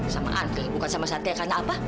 sama antri bukan sama satria karena apa